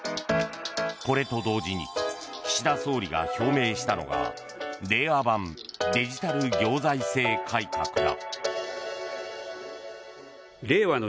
これと同時に岸田総理が表明したのが令和版デジタル行財政改革だ。